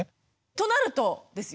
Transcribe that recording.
となるとですよ